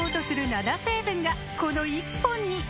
７成分がこの１本に！